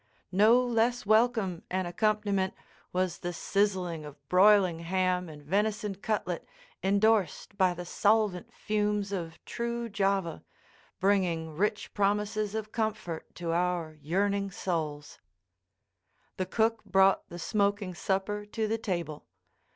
No less welcome an accompaniment was the sizzling of broiling ham and venison cutlet indorsed by the solvent fumes of true Java, bringing rich promises of comfort to our yearning souls. The cook brought the smoking supper to the table.